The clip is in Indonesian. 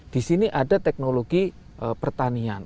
disini ada teknologi pertanian